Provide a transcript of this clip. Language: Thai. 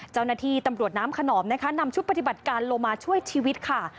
เจ้าหน้าที่ตำรวจน้ำขนอมนะคะนำชุดปฏิบัติการลงมาช่วยชีวิตค่ะ